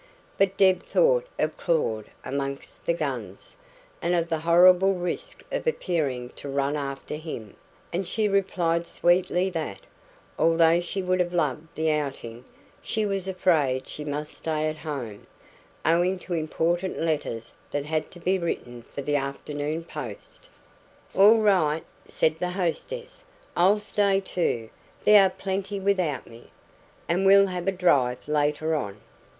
But Deb thought of Claud amongst the guns, and of the horrible risk of appearing to run after him; and she replied sweetly that, although she would have loved the outing, she was afraid she must stay at home, owing to important letters that had to be written for the afternoon post. "All right," said the hostess, "I'll stay too there are plenty without me and we'll have a drive later on."